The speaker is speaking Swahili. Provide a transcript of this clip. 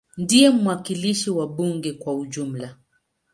Ndiye mwakilishi wa bunge kwa ujumla.